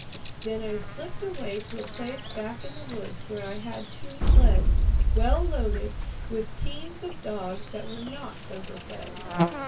Then I slipped away to a place back in the woods where I had two sleds, well loaded, with teams of dogs that were not overfed.